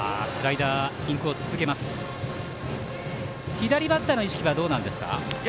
左バッターの意識はどうなんですか。